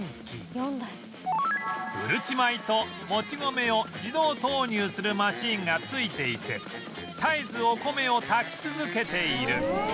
うるち米ともち米を自動投入するマシンが付いていて絶えずお米を炊き続けている